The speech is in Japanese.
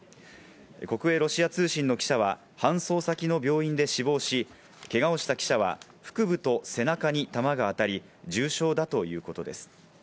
国営ロシア通信の記者は搬送先の病院で死亡し、けがをした記者は腹部と背中に弾が当たり、重傷だということです。